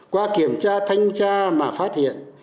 qua kiểm tra thanh tra mà phát hiện